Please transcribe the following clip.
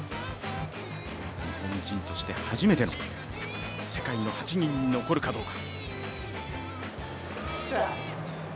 日本人として初めての世界の８人に残るかどうか。